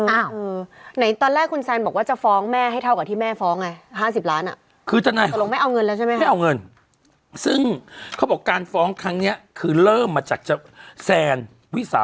ไหนตอนแรกคุณแซนบอกว่าจะฟ้องแม่ให้เท่ากับที่แม่ฟ้องไง๕๐ล้าน